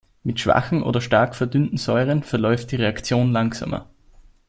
Mit schwachen oder stark verdünnten Säuren verläuft die Reaktion langsamer.